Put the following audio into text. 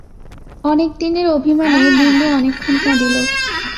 অনেক দিনের অভিমানে বিন্দু অনেকক্ষণ কাঁদিল।